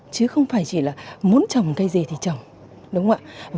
chứ không phải chỉ là muốn trồng cây gì thì trồng đúng không ạ